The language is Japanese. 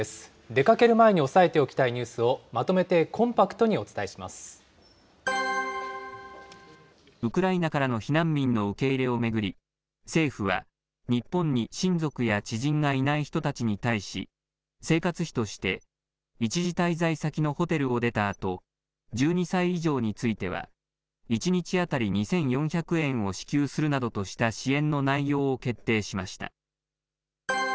出かける前に押さえておきたいニュースをまとめてコンパクトにおウクライナからの避難民の受け入れを巡り、政府は日本に親族や知人がいない人たちに対し、生活費として一時滞在先のホテルを出たあと、１２歳以上については、１日当たり２４００円を支給するなどとした支援の内容を決定しました。